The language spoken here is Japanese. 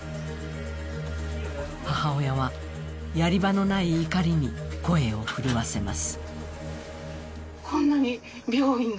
母親は、やり場のない怒りに声を震わせます。